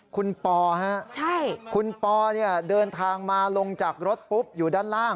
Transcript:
คุณปอฮะคุณปอเดินทางมาลงจากรถปุ๊บอยู่ด้านล่าง